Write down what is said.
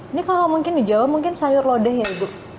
ini kalau mungkin di jawa mungkin sayur lodeh ya ibu